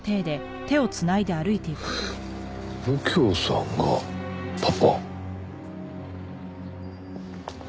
右京さんがパパ？